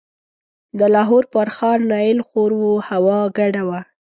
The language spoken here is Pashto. د لاهور پر ښار نایل خور و، هوا ګډه وه.